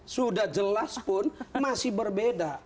sudah jelas pun masih berbeda